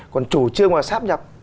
còn chủ trương là sát nhập